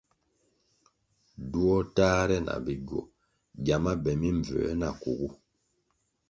Duo tahre na bigwo gyama be mimbvū na kugu.